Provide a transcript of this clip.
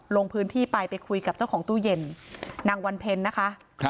ลงพื้นที่ไปไปคุยกับเจ้าของตู้เย็นนางวันเพ็ญนะคะ